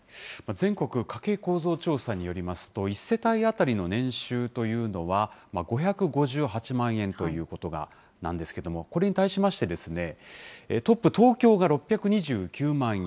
全国家計構造調査によりますと、１世帯当たりの年収というのは、５５８万円ということなんですけども、これに対しまして、トップ東京が６２９万円。